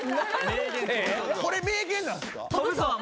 これ名言なんですか